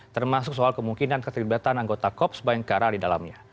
termasuk soal kemungkinan keterlibatan anggota kop sebaiknya di dalamnya